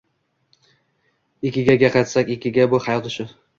“Ikigay”ga qaytsak, ikigay – bu hayot ishi